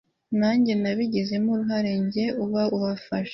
najye nabigizemo uruhare nijye uba wafashe